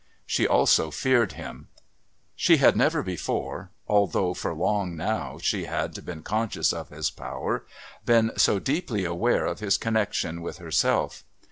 She also feared him. She had never before, although for long now she had been conscious of his power, been so deeply aware of his connection with herself.